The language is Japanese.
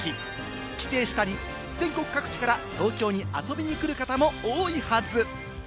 帰省したり、全国各地から東京に遊びに来る方も多いはず。